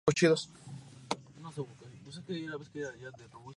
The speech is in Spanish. Fiestas Patronales.